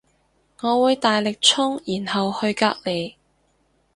我會大力衝然後去隔籬